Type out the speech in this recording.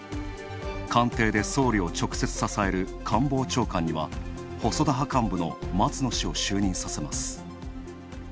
官邸で総理を直接支える官房長官には、細田派幹部の松野氏を就任させます。